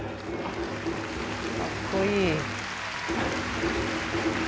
かっこいい！